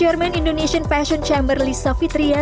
chairman indonesian fashion chamber lisa fitria